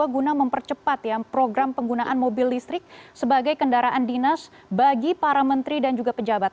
guna mempercepat ya program penggunaan mobil listrik sebagai kendaraan dinas bagi para menteri dan juga pejabat